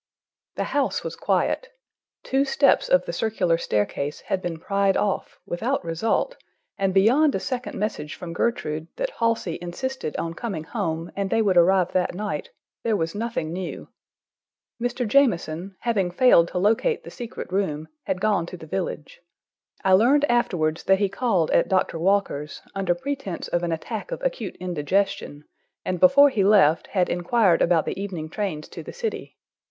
The house was quiet. Two steps of the circular staircase had been pried off, without result, and beyond a second message from Gertrude, that Halsey insisted on coming home and they would arrive that night, there was nothing new. Mr. Jamieson, having failed to locate the secret room, had gone to the village. I learned afterwards that he called at Doctor Walker's, under pretense of an attack of acute indigestion, and before he left, had inquired about the evening trains to the city.